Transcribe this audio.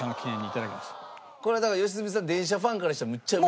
これはだから良純さん電車ファンからしたらむっちゃ。